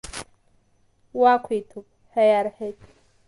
Уақәиҭуп, ҳәа иарҳәеит.